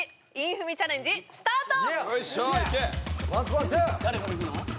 韻踏みチャレンジスタート！